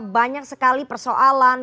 banyak sekali persoalan